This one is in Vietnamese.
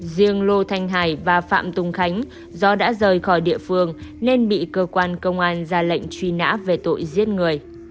riêng lô thanh hải và phạm tùng khánh do đã rời khỏi địa phương nên bị cơ quan công an ra lệnh truy nã về tội giết người